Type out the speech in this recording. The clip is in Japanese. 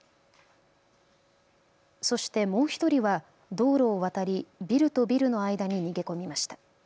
そしてもう１人は道路を渡りビルとビルの間に逃げ込みました。